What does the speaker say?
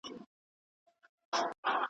نوروز راسي زېری نه وي پر وزر د توتکیو .